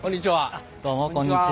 あっどうもこんにちは。